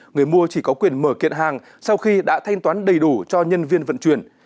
người mua chỉ có quyền mở kiện hàng sau khi đã thanh toán đầy đủ cho nhân viên vận chuyển